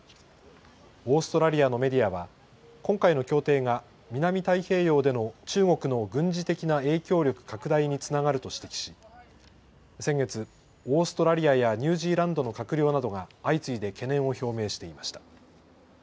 オーストラリアのメディアは今回の協定が南太平洋での中国の軍事的な影響力拡大につながると指摘し先月、オーストラリアやニュージーランドの閣僚などが相次いで懸念を表明していました。